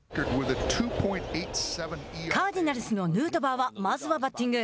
カーディナルスのヌートバーはまずはバッティング。